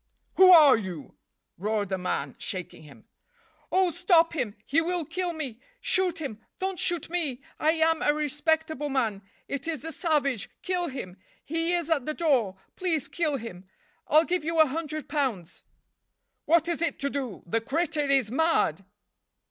"Who are you?" roared the man, shaking him. "Oh, stop him! he will kill me! Shoot him! Don't shoot me! I am a respectable man. It is the savage! kill him! He is at the door please kill him! I'll give you a hundred pounds!" "What is to do? The critter is mad!"